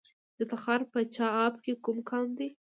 د تخار په چاه اب کې کوم کان دی؟